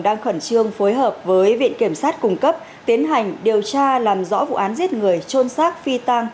đang khẩn trương phối hợp với viện kiểm sát cung cấp tiến hành điều tra làm rõ vụ án giết người trôn xác phi tăng